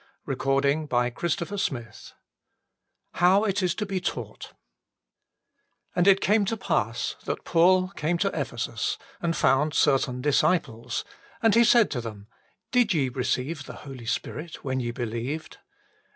3. THE FULL BLESSING OF PENTECOST it is to fce taught And it came to pass that Paul came to Ephesus and found certain disciples : and he said unto them, Did ye receive the Holy Spirit when ye believed